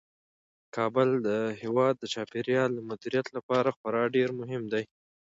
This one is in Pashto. کابل د هیواد د چاپیریال د مدیریت لپاره خورا ډیر مهم دی.